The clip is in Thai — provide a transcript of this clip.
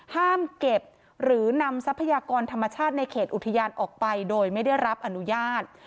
ห้ามเก็บหรือนำทรัพยากรธรรมชาติในเขตอุทยานออกไปโดยไม่ได้รับอนุญาต